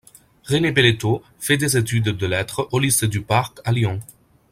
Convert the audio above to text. René Belletto fait des études de lettres au lycée du Parc à Lyon.